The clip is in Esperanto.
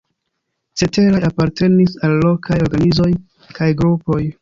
Ceteraj apartenis al lokaj organizoj kaj grupoj.